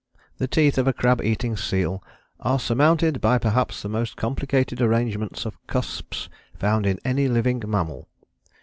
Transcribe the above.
The teeth of a crab eating seal "are surmounted by perhaps the most complicated arrangement of cusps found in any living mammal."